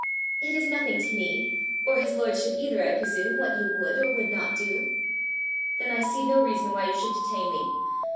"It is nothing to me, or his lordship either, I presume, what you would or would not do." "Then I see no reason why you should detain me.